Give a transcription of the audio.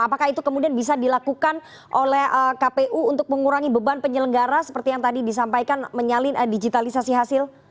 apakah itu kemudian bisa dilakukan oleh kpu untuk mengurangi beban penyelenggara seperti yang tadi disampaikan menyalin digitalisasi hasil